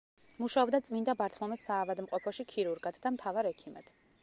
მუშაობდა წმინდა ბართლომეს საავადმყოფოში ქირურგად და მთავარ ექიმად.